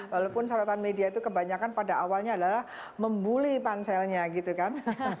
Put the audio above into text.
walaupun sorotan media itu kebanyakan pada awalnya adalah membuli panselnya gitu kan